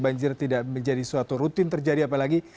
banjir tidak menjadi suatu rutin terjadi apalagi